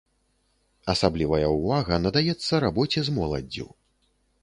Асаблівая ўвага надаецца рабоце з моладдзю.